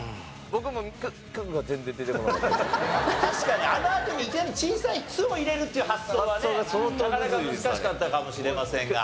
僕も確かにあのあとにいきなり小さい「つ」を入れるっていう発想はねなかなか難しかったかもしれませんが。